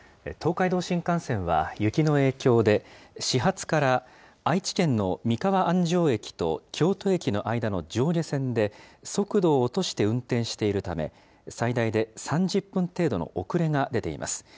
東海道新幹線は、雪の影響で始発から、愛知県の三河安城駅と京都駅の間の上下線で速度を落として運転しているため、最大で３０分程度の遅れが出ています。